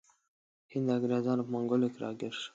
هند د انګریزانو په منګولو کې راګیر شو.